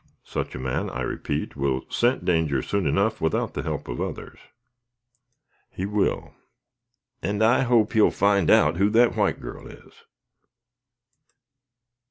Such a man, I repeat, will scent danger soon enough without the help of others." "He will, and I hope he'll find out who that white girl is."